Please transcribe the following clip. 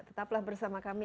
tetaplah bersama kami